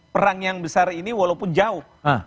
perang yang besar ini walaupun jauh